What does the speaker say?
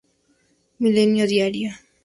Milenio diario.